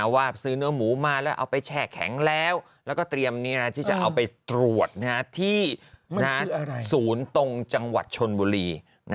ว่าซื้อเนื้อหมูมาแล้วเอาไปแช่แข็งแล้วแล้วก็เตรียมที่จะเอาไปตรวจที่ศูนย์ตรงจังหวัดชนบุรี